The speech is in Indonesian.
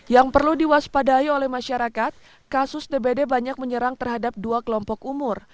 yang perlu diwaspadai oleh masyarakat kasus dbd banyak menyerang terhadap dua kelompok umur